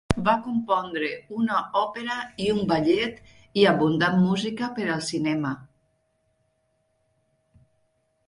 Va compondre una òpera i un ballet i abundant música per al cinema.